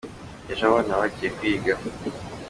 Ejo abana bagiye kwiga.